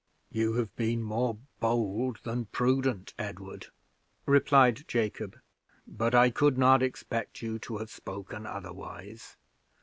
"You have been more bold than prudent, Edward," replied Jacob; "but I could not expect you to have spoken otherwise.